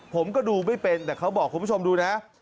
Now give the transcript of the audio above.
ผมก็ดูไม่เป็นแต่เขาบอกคุณผู้ชมดูนะ